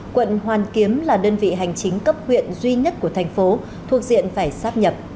quận hoàn kiếm là đơn vị hành chính cấp huyện duy nhất của thành phố thuộc diện phải sắp nhập